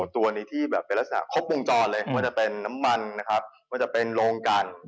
ตัวนี้ที่เป็นรัฐสัตว์ครบพรุงจรไปเลยว่าน้ำมันว่าจะเป็นโรงการ